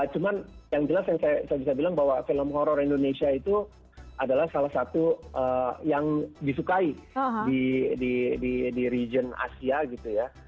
cuma yang jelas yang saya bisa bilang bahwa film horror indonesia itu adalah salah satu yang disukai di region asia gitu ya